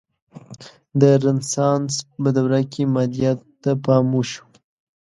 د رنسانس په دوره کې مادیاتو ته پام وشو.